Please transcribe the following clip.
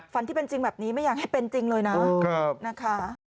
ที่เป็นจริงแบบนี้ไม่อยากให้เป็นจริงเลยนะนะคะ